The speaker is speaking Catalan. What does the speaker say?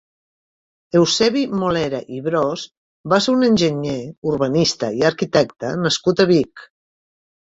Eusebi Molera i Bros va ser un enginyer, urbanista i arquitecte nascut a Vic.